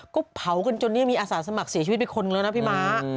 ก็เผากันจนมีอาศาสตร์สมัครเสียชีวิตไปคนแล้วนะพี่ม้า